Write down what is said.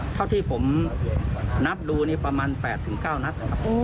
เท่าที่ผมนับดูประมาณ๘๙นัท